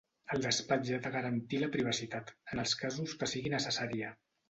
El despatx ha de garantir la privacitat, en els casos que sigui necessària.